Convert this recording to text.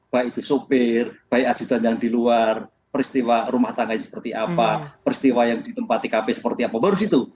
baik itu sopir baik ajudan yang di luar peristiwa rumah tangganya seperti apa peristiwa yang di tempat tkp seperti apa baru situ